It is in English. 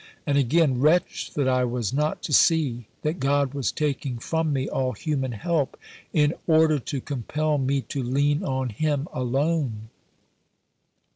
And again: "Wretch that I was not to see that God was taking from me all human help in order to compel me to lean on Him alone."